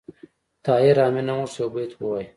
طاهر آمین هم غوښتل یو بیت ووایي